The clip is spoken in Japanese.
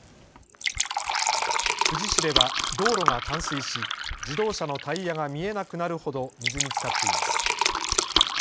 富士市では道路が冠水し自動車のタイヤが見えなくなるほど水につかっています。